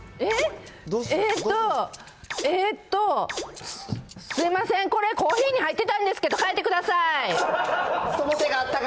えっ、えーと、すみません、これ、コーヒーに入ってたんですけど、その手があったか！